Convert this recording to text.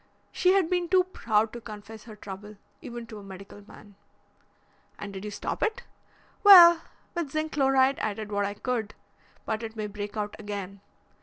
She had been too proud to confess her trouble, even to a medical man." "And did you stop it?" "Well, with zinc chloride I did what I could. But it may break out again.